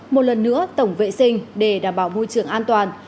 một lần nữa tổng vệ sinh để đảm bảo môi trường an toàn